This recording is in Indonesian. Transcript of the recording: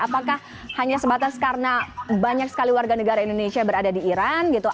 apakah hanya sebatas karena banyak sekali warga negara indonesia berada di iran gitu